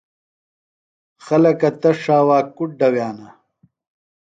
خلکہ تس ݜاوا کُڈ دوِیانہ۔